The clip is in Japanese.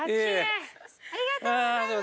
ありがとうございます。